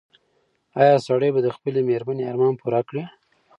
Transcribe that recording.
ایا سړی به د خپلې مېرمنې ارمان پوره کړي؟